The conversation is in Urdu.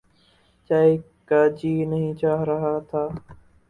چائے کا جی نہیں چاہ رہا تھا۔